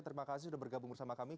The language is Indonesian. terima kasih sudah bergabung bersama kami